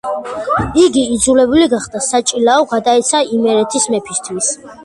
იგი იძულებული გახდა საჭილაო გადაეცა იმერეთის მეფისათვის.